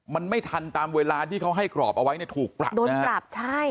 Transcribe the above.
มันไม่ทันตามเวลาที่เขาให้กรอบเอาไว้ถูกปรับ